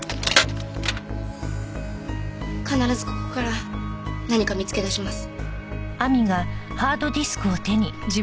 必ずここから何か見つけ出します。